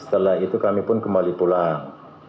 setelah itu kami pun kembali pulang